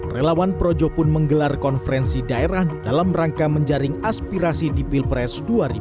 relawan projo pun menggelar konferensi daerah dalam rangka menjaring aspirasi di pilpres dua ribu dua puluh